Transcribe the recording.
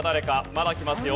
まだきますよ。